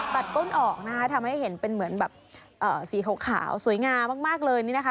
ก้นออกนะคะทำให้เห็นเป็นเหมือนแบบสีขาวสวยงามมากเลยนี่นะคะ